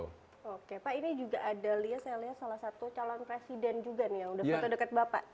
oke pak ini juga ada lihat lihat salah satu calon presiden juga nih yang sudah berdekat bapak